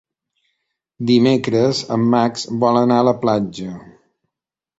Dimecres en Max vol anar a la platja.